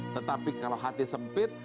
tetapi kalau hati sempit